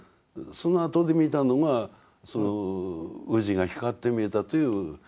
そのあとで見たのがそのウジが光って見えたという現場なんですよね。